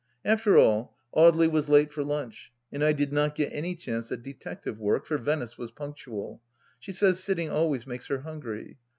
After all, Audely was late for lunch, and I did not get any chance at detective work, for Venice was punctual ; she says sitting always makes her hungry.